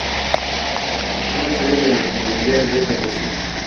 Se convirtió en la sede de la artillería de Venecia.